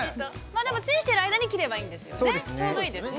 ◆でもチンしている間に切ればいいんですよね。